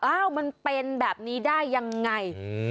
มันเป็นแบบนี้ได้ยังไง